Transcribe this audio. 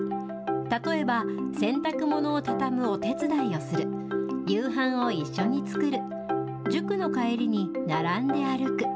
例えば洗濯物を畳むお手伝いをする、夕飯を一緒に作る、塾の帰りに並んで歩く。